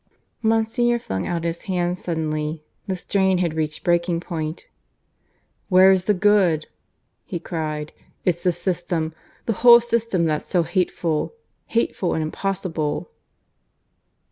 Monsignor flung out his hands suddenly. The strain had reached breaking point. "What's the good!" he cried. "It's the system the whole system that's so hateful ... hateful and impossible."